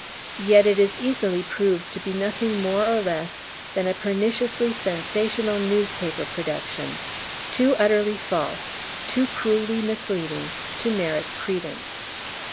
Yet it is easily proved to be nothing more or less than a perniciously sensational newspaper production, too utterly false, too cruelly misleading, to merit credence.